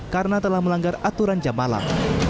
karena telah melanggar aturan jam malam